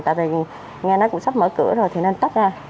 tại vì nghe nó cũng sắp mở cửa rồi thì nên tắt ra